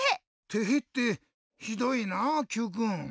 「てへ！」ってひどいなあＱくん。